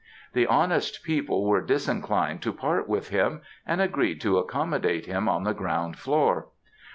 The honest people were disinclined to part with him and agreed to accommodate him on the ground floor.